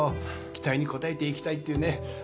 期待に応えて行きたいっていうね。